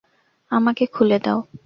আমাকে খুলে দাও।